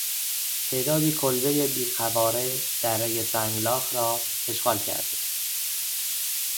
تعدادی کلبهی بیقواره درهی سنگلاخ را اشغال کرده بود.